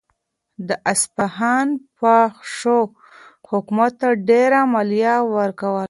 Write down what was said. د اصفهان فاحشو حکومت ته ډېره مالیه ورکوله.